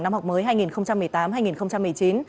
năm học mới hai nghìn một mươi chín